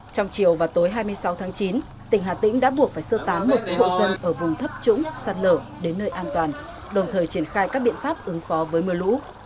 trong chiều và tối hai mươi sáu tháng chín tỉnh hà tĩnh đã buộc phải sơ tán một số hộ dân ở vùng thấp trũng sạt lở đến nơi an toàn đồng thời triển khai các biện pháp ứng phó với mưa lũ